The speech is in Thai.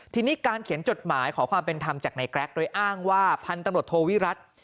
ทีนี้การเขียนจดหมายขอความเป็นธรรมจากในแกรกโดยอ้างว่าพันธุ์ตำรวจโทวิรัติ